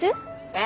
え？